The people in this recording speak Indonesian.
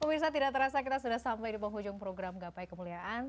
pemirsa tidak terasa kita sudah sampai di penghujung program gapai kemuliaan